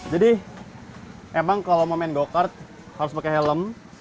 jadi emang kalau mau main go kart harus pakai helm